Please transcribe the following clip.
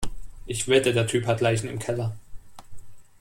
Ich wette, der Typ hat Leichen im Keller.